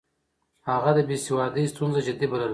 هغه د بې سوادۍ ستونزه جدي بلله.